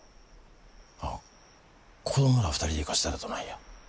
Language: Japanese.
あっ子供ら２人で行かせたらどないや。